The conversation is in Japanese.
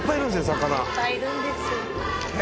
魚いっぱいいるんです